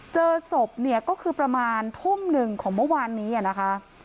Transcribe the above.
เจอศพเนี่ยก็คือประมาณทุ่มหนึ่งของเมื่อวานนี้นะคะ